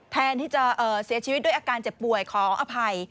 แทนที่จะเสียชีวิตด้วยอาการเจ็บป่วยขออภัย